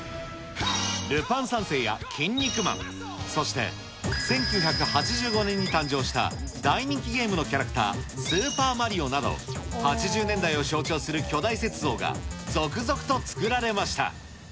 ルパン三世やキン肉マン、そして１９８５年に誕生した大人気ゲームのキャラクター、スーパーマリオなど、８０年代を象徴する巨大雪像が、続々と作られました。